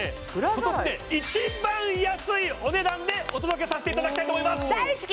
今年一番安いお値段でお届けさせていただきたいと思います大好き！